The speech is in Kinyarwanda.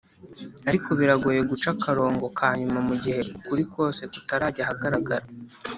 ariko biragoye guca akarongo ka nyuma mu gihe ukuri kose kutarajya ahagaragara.